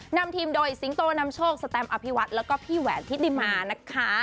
นำทีมโดยสิงโตนำโชคสแตมอภิวัฒน์แล้วก็พี่แหวนทิติมานะคะ